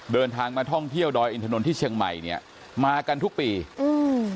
เดินทางมาท่องเที่ยวดอยอินทนนท์ที่เชียงใหม่เนี้ยมากันทุกปีอืม